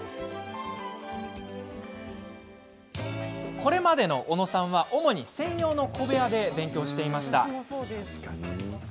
これまでの小野さんは主に専用の小部屋で勉強していました。